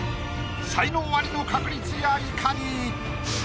「才能アリの確率」やいかに⁉